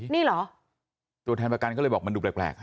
นี่เหรอตัวแทนประกันก็เลยบอกมันดูแปลก